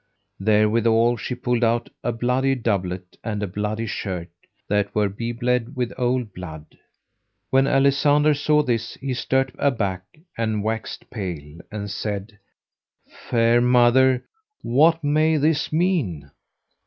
Therewithal she pulled out a bloody doublet and a bloody shirt, that were be bled with old blood. When Alisander saw this he stert aback and waxed pale, and said: Fair mother, what may this mean?